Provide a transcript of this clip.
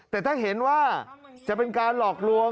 แต่ถ้าเห็นว่าจะเป็นการหลอกลวง